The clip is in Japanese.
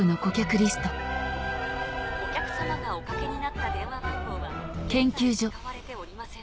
お客さまがおかけになった電話番号は現在使われておりません。